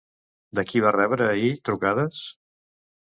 De qui va rebre ahir trucades?